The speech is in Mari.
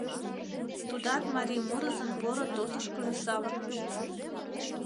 Тудат марий мурызын поро тосышкыжо савырныш...